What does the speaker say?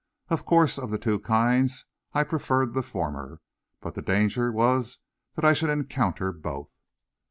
Of course, of the two kinds I preferred the former, but the danger was that I should encounter both.